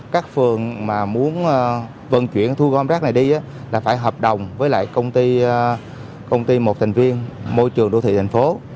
các phương mà muốn vận chuyển thu gom rác này đi là phải hợp đồng với lại công ty một thành viên môi trường đô thị thành phố